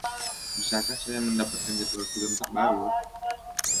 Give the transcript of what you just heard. Bisakah saya mendapatkan jadwal film yang terbaru.